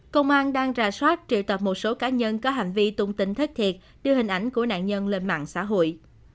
công an đang ra soát triệu tập một số cá nhân có hành vi tung tin thất thiệt đưa hình ảnh của nạn nhân lên mạng xã hội